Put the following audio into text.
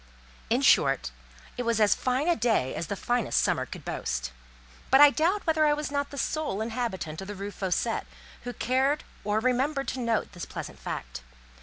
In short, it was as fine a day as the finest summer could boast; but I doubt whether I was not the sole inhabitant of the Rue Fossette, who cared or remembered to note this pleasant fact.